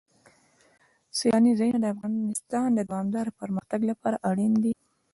سیلانی ځایونه د افغانستان د دوامداره پرمختګ لپاره اړین دي.